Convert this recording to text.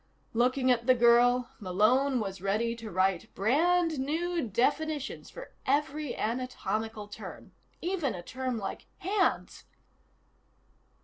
Looking at the girl, Malone was ready to write brand new definitions for every anatomical term. Even a term like "hands."